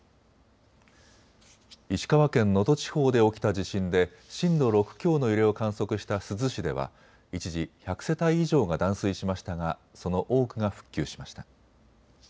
石川県能登地方で起きた地震で震度６強の揺れを観測した珠洲市では一時１００世帯以上が断水しましたがその多くが復旧しました。